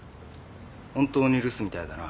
本当に留守みたいだな。